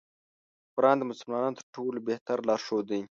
قرآن د مسلمانانو تر ټولو بهتر لار ښود دی.